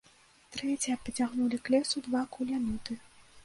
Трэція пацягнулі к лесу два кулямёты.